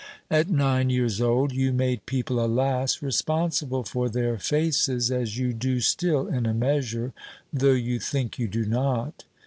At nine years old you made people, alas! responsible for their faces, as you do still in a measure, though you think you do not.